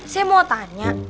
saya mau tanya